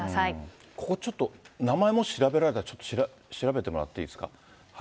ここ、ちょっと名前もし調べられたら、ちょっと調べてもらっていいですか。